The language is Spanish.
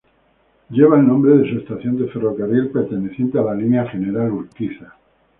Lleva el nombre de su estación de ferrocarril perteneciente a la línea General Urquiza.